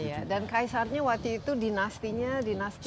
dan kaisarnya waktu itu dinastinya dinasti apa